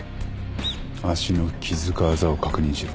脚の傷かあざを確認しろ。